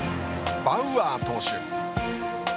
バウアー投手。